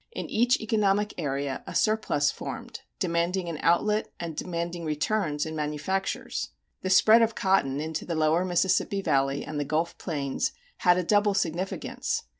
In each economic area a surplus formed, demanding an outlet and demanding returns in manufactures. The spread of cotton into the lower Mississippi Valley and the Gulf Plains had a double significance.